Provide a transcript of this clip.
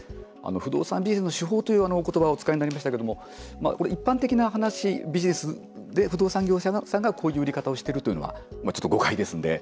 不動産にビジネスの手法というお言葉をお使いになりましたけれどもこれ、一般的な話ビジネスで、不動産業者さんがこういう売り方をしているというのは誤解ですので。